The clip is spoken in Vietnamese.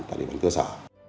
tại địa bàn cơ sở